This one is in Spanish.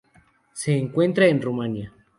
Se encuentra en Rumania.